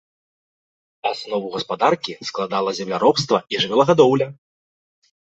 Аснову гаспадаркі складала земляробства і жывёлагадоўля.